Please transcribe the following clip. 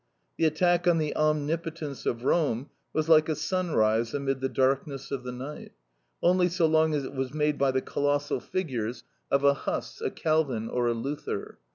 The attack on the omnipotence of Rome was like a sunrise amid the darkness of the night, only so long as it was made by the colossal figures of a Huss, a Calvin, or a Luther.